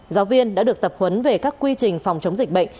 giáo viên đã được tập huấn về các quy trình phòng chống dịch bệnh